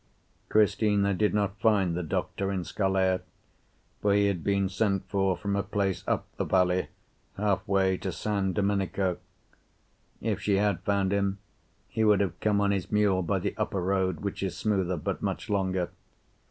Cristina did not find the doctor in Scalea, for he had been sent for from a place up the valley, halfway to San Domenico. If she had found him, he would have come on his mule by the upper road, which is smoother but much longer.